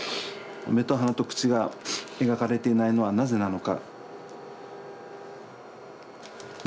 目と鼻と口が描かれていないのはなぜなのか。